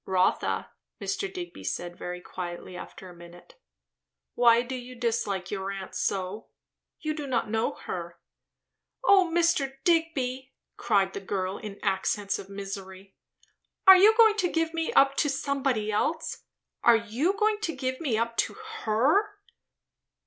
"Rotha," Mr. Digby said very quietly after a minute, "why do you dislike your aunt so? You do not know her." "O Mr. Digby," cried the girl in accents of misery, "are you going to give me up to somebody else? Are you going to give me up to _her?